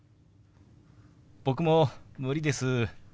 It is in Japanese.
僕も無理です。